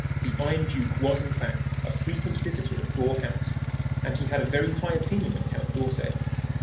The Iron Duke was, in fact, a frequent visitor at Gore House, and he had a very high opinion of Count d'Orsay.